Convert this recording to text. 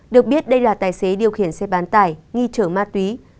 được biết đây là tài xế điều khiển xe bán tải nghi chở ma túy